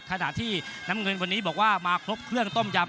ขณะที่น้ำเงินวันนี้บอกว่ามาครบเครื่องต้มยำ